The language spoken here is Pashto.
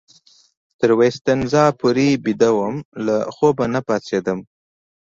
تر وایسینزا پورې بیده وم، له خوبه نه پاڅېدم.